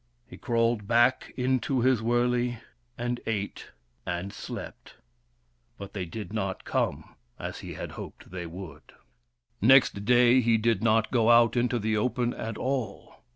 He crawled back into his wurley and ate and slept ; but they did not come, as he had hoped they would. Next day he did not go out into the open at all.